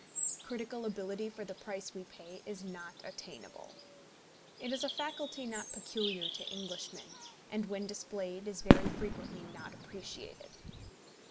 Critical ability for the price we pay is not attainable. It is a faculty not peculiar to Englishmen, and when displayed is very frequently not appreciated.